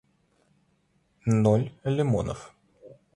ноль лимонов